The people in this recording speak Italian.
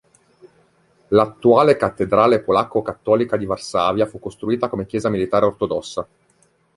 L'attuale cattedrale polacco-cattolica di Varsavia fu costruita come chiesa militare ortodossa.